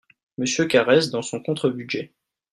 Monsieur Carrez, dans son contre-budget.